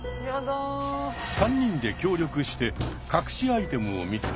３人で協力して隠しアイテムを見つけ